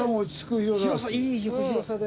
広さいい広さで。